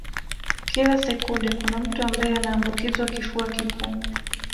Kila sekunde kuna mtu ambaye anaambukizwa kifua kikuu